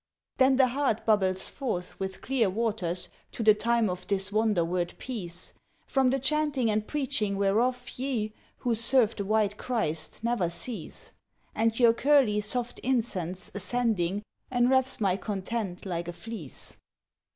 "Then the heart bubbles forth with clear waters, to the time of this wonder word Peace, From the chanting and preaching whereof ye who serve the white Christ never cease; And your curly, soft incense ascending enwraps my content like a fleece.